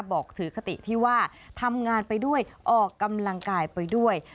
บอกถือคติที่ว่าทำงานไปด้วยออกกำลังกายไปด้วย